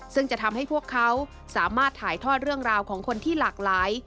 ซึ่งจะทำให้พวกเขาสามารถถ่ายทอดเรื่องราวของคนที่หลากหลาย